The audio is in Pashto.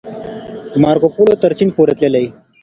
مارکوپولو تر چين پورې تللی و.